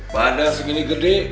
bada segini gede